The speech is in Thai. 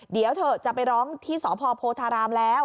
เดี๋ยวเถอะจะไปร้องที่สพโพธารามแล้ว